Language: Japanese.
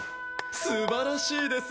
すばらしいです